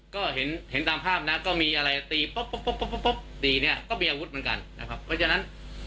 ก็เห็นเห็นตามภาพนั้นก็มีอะไรตีป๊อบป๊อบป๊อบป๊อบป๊อบป๊อบตีเนี่ยก็มีอาวุธเหมือนกันนะครับเพราะฉะนั้น